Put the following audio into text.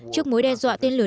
trước mối đe dọa tên lửa